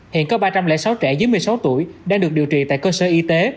hiện có ba trăm linh sáu trẻ dưới một mươi sáu tuổi đang được điều trị tại cơ sở y tế